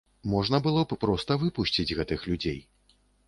Можна было б проста выпусціць гэтых людзей.